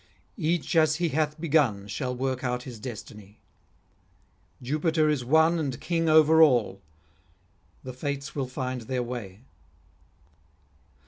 Each as he hath begun shall work out his destiny. Jupiter is one and king over all; the fates will find their way.'